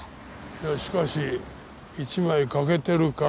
いやしかし１枚欠けてるから。